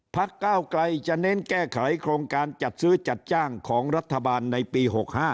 ก้าวไกลจะเน้นแก้ไขโครงการจัดซื้อจัดจ้างของรัฐบาลในปี๖๕